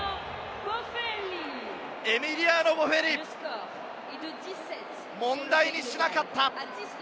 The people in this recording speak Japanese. エミリアノ・ボフェリ、問題にしなかった。